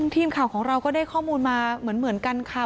ทีมข่าวของเราก็ได้ข้อมูลมาเหมือนกันค่ะ